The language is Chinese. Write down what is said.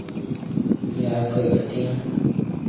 雅戈丁那是位于塞尔维亚中部的一个城市。